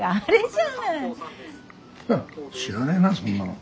ふん知らねえなそんなの。